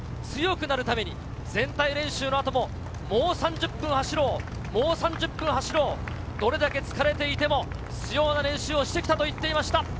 強くなるために、全体練習のあとも、もう３０分走ろう、もう３０分走ろう、どれだけ疲れていても、必要な練習をしてきたと言っていました。